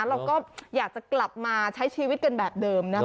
เราก็อยากจะกลับมาใช้ชีวิตกันแบบเดิมนะครับ